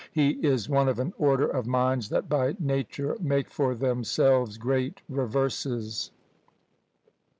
He is one of an order of minds that by nature make for themselves great reverses."